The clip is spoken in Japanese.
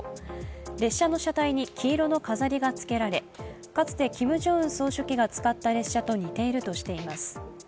列車の車体に黄色の飾りがつけられかつてキム・ジョンウン総書記が使った列車と似ているとしています。